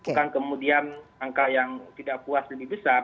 bukan kemudian angka yang tidak puas lebih besar